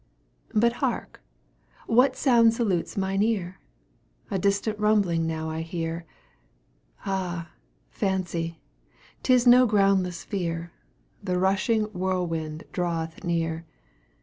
But hark! what sound salutes mine ear? A distant rumbling now I hear. Ah, Fancy! 'tis no groundless fear, The rushing whirlwind draweth near!